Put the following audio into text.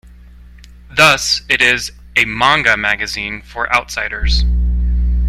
Thus, it is "A Manga magazine for outsiders".